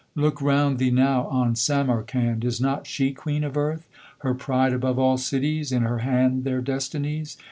Look'round thee now on Samarcand! Is not she queen of Earth? her pride Above all cities? in her hand Their destinies?